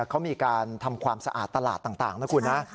เขามีการทำความสะอาดตลาดต่างนะคุณนะ